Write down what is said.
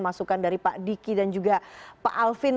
masukan dari pak diki dan juga pak alvin